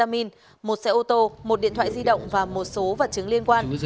một xe ô tô một điện thoại di động và một số vật chứng liên quan